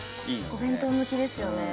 お弁当向きですよね。